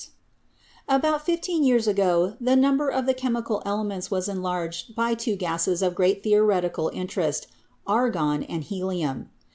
258 CHEMISTRY About fifteen years ago the number of the chemical ele ments was enlarged by two gases of great theoretical in terest — argon and helium.